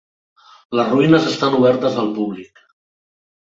Les ruïnes estan obertes al públic.